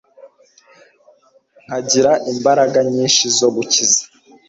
nkagira imbaraga nyinshi zo gukiza